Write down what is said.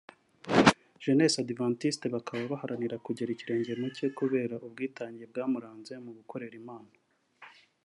Jeunesse Adventiste) bakaba baharanira kugera ikirenge mu cye kubera ubwitange bwamuranze mu gukorera Imana